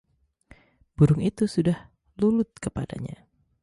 burung itu sudah lulut kepadanya